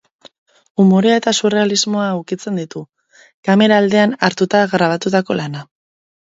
Umorea eta surrealismoa ukitzen ditu, kamera aldean hartuta grabatutako lana.